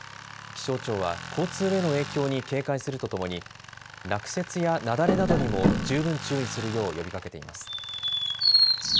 気象庁は交通への影響に警戒するとともに落雪や雪崩などにも十分注意するよう呼びかけています。